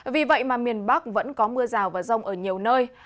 vì vậy mà miền bắc vẫn có mưa rào và rông ở nhiều nơi